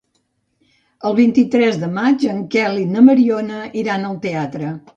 El vint-i-tres de maig en Quel i na Mariona iran al teatre.